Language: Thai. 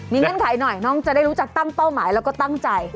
เงื่อนไขหน่อยน้องจะได้รู้จักตั้งเป้าหมายแล้วก็ตั้งใจ